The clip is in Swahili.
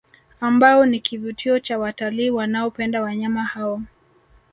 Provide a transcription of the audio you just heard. Ambao ni Kivutio cha Watalii wanaopenda wanyama hao